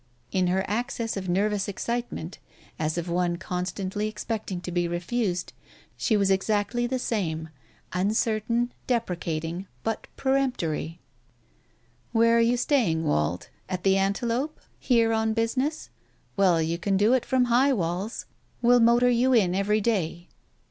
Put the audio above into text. In her access of nervous ex Digitized by Google THE TIGER SKIN 253 citement, as of one constantly expecting to be refused, she was exactly the same, uncertain, deprecating, but peremptory. " Where are you staying, Wald ? At the Antelope ? Here on business? Well, you can do it from High Walls. We'll motor you in every day.